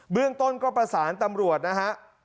เรื่องต้นก็ประสานตำรวจนะฮะ